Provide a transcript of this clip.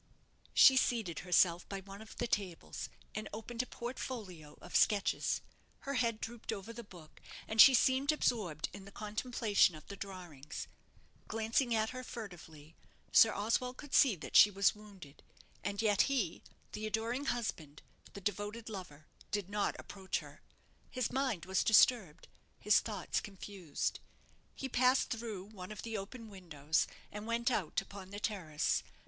She seated herself by one of the tables, and opened a portfolio of sketches. Her head drooped over the book, and she seemed absorbed in the contemplation of the drawings. Glancing at her furtively, Sir Oswald could see that she was wounded; and yet he the adoring husband, the devoted lover did not approach her. His mind was disturbed his thoughts confused. He passed through one of the open windows, and went out upon the terrace.